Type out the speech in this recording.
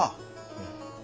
うん。